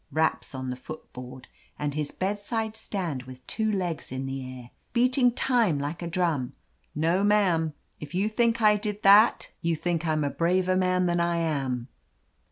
Raps on the foot board, and his bedside stand with two legs in the air, beating time like a drum. No, mam^ if you think I did that, you think I'm a braver man than I am."